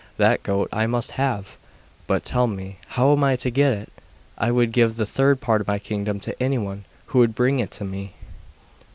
That goat I must have! But, tell me, how am I to get it? I would give the third part of my kingdom to anyone who would bring it to me.